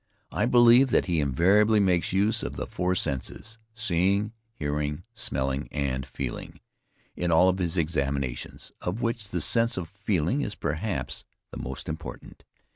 I believe that he invariably makes use of the four senses, seeing, hearing, smelling and feeling, in all of his examinations, of which the sense of feeling is, perhaps, the most important.